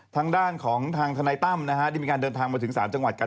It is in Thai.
ทางด้านของทางทนายตั้มนะฮะได้มีการเดินทางมาถึงศาลจังหวัดกาล